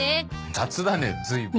雑だねずいぶん。